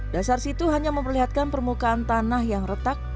dasar situ hanya memperlihatkan permukaan tanah yang retak